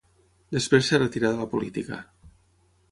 Després es retirà de la política.